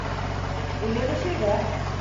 Өйләнешергә.